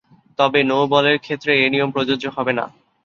তবে, নো-বলের ক্ষেত্রে এ নিয়ম প্রযোজ্য হবে না।